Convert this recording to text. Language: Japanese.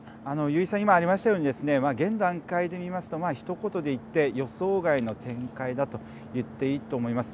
油井さん今ありましたようにですね現段階で言いますとひと言で言って予想外の展開だと言っていいと思います。